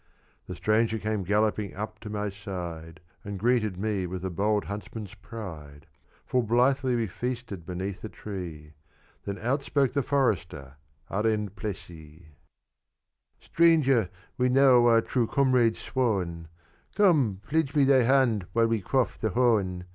The stranger came galloping up to my side, And greeted me with a bold huntsman's pride: Full blithely we feasted beneath a tree; Then out spoke the Forester, Arend Plessie. "Stranger, we now are true comrades sworn; Come pledge me thy hand while we quaff the horn.